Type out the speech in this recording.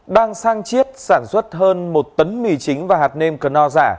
đang sang chiếc sản xuất hơn một tấn mì chính và hạt nêm cơ no giả